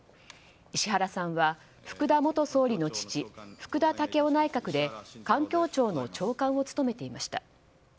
石原さんは福田元総理の父福田赳夫内閣で環境庁の長官を務めていました。